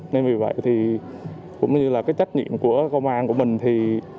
nên vì vậy thì cũng như là cái trách nhiệm của công an của mình thì